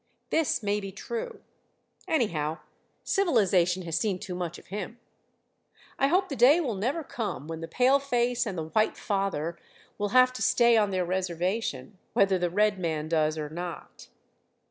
This may be true. Anyhow, civilization has seen too much of him. I hope the day will never come when the pale face and the White Father will have to stay on their reservation, whether the red man does or not.